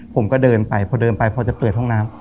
ผมก็เดินไปพอเดินไปพอจะเปิดห้องน้ำ